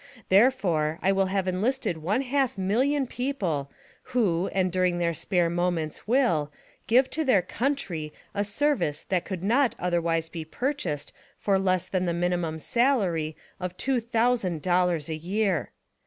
Therefore, I will have enlisted one half MILLION people who, and during their spare moments will, give to their COUNTRY a service that could not otherwise be purchased for less than the minimum salary of TWO THOUSAND DOLLARS a year.